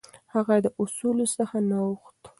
هغه د اصولو څخه نه اوښت.